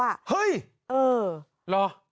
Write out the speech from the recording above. เฮ่ยหรือหรือหรือ